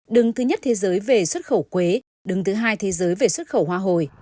đứng thứ nhất thế giới về xuất khẩu quế đứng thứ hai thế giới về xuất khẩu hoa hồi